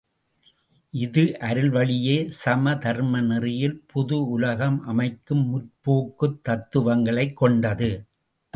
இது அருள்வழியே சமதர்ம நெறியில் புது உலகம் அமைக்கும் முற்போக்குத் தத்துவங்களைக் கொண்டது.